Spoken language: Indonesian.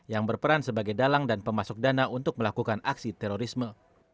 yang berperan sebagai dalang dan pemasuk dana untuk melakukan aksi terorisme